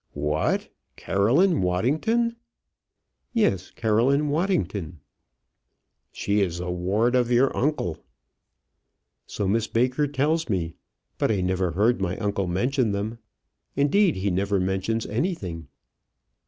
"What! Caroline Waddington?" "Yes, Caroline Waddington." "She is a ward of your uncle." "So Miss Baker tells me; but I never heard my uncle mention them. Indeed, he never mentions anything."